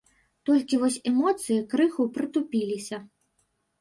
Толькі вось эмоцыі крыху прытупіліся.